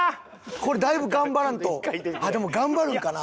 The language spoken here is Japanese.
これだいぶ頑張らんとあっでも頑張るんかな？